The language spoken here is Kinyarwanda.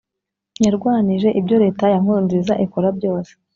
yarwanije ibyo leta ya nkurunziza ikora byose